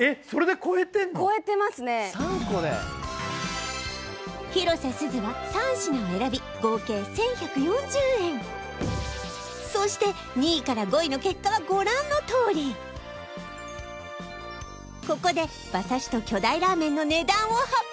超えてますね３個で広瀬すずは３品を選びそして２位から５位の結果はご覧のとおりここで馬刺しと巨大ラーメンの値段を発表